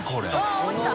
◆舛落ちた。